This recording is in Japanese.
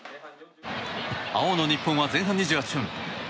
青の日本は前半２８分。